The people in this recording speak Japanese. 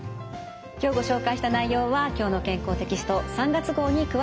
今日ご紹介した内容は「きょうの健康」テキスト３月号に詳しく掲載されています。